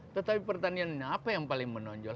tetapi pertanian apa yang paling menonjol